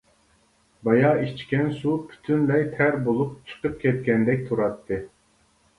بايا ئىچكەن سۇ پۈتۈنلەي تەر بولۇپ چىقىپ كەتكەندەك تۇراتتى.